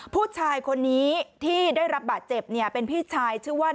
ผู้ชายคนนี้ที่ได้รับบาดเจ็บเนี่ยเป็นพี่ชายชื่อว่า